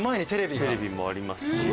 テレビもありますし。